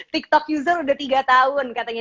tiktok user udah tiga tahun katanya